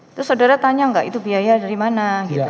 itu saudara tanya nggak itu biaya dari mana gitu